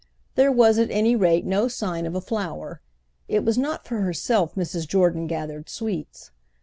There was at any rate no sign of a flower; it was not for herself Mrs. Jordan gathered sweets.